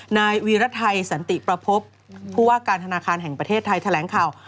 นายวีรไทยสันติประพบผู้ว่าการธนาคารแห่งประเทศไทยแถลงข่าว